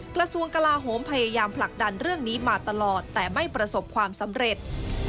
กระทรวงกลาโหมพยายามผลักดันเรื่องนี้มาตลอดแต่ไม่ประสบความสำเร็จ